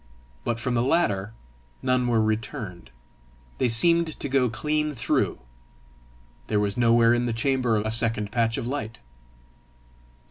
But from the latter none were returned; they seemed to go clean through; there was nowhere in the chamber a second patch of light!